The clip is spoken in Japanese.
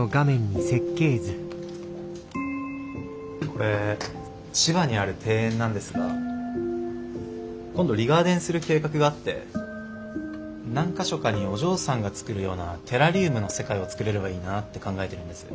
これ千葉にある庭園なんですが今度リガーデンする計画があって何か所かにお嬢さんが作るようなテラリウムの世界を作れればいいなって考えてるんです。